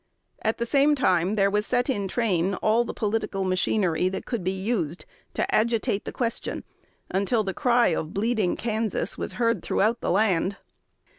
At the same time there was set in train all the political machinery that could be used to agitate the question, until the cry of "Bleeding Kansas" was heard throughout the land.